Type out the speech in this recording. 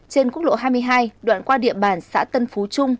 trên quốc lộ hai mươi hai đoạn qua địa bàn xã tân phú trung